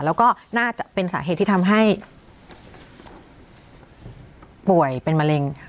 แล้วก็น่าจะเป็นสาเหตุที่ทำให้ป่วยเป็นมะเร็ง